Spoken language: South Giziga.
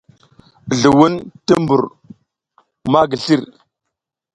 Zluwun ti mbur ma slir.